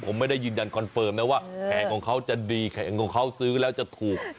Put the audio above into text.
ผมไม่ได้ยืนยันคอนเฟิร์มนะว่าแผงของเขาจะดีแผงของเขาซื้อแล้วจะถูก